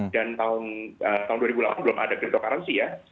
tahun dua ribu delapan belum ada cryptocurrency ya